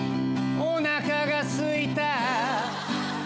「おなかがすいた」